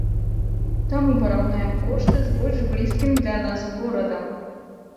Таму параўнаем кошты з больш блізкім для нас горадам.